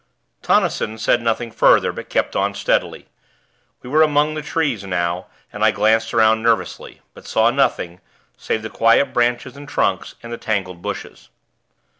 Tonnison said nothing further, but kept on steadily. We were among the trees now, and I glanced around, nervously; but saw nothing, save the quiet branches and trunks and the tangled bushes.